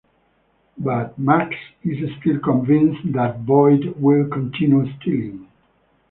But Mags is still convinced that Boyd will continue stealing.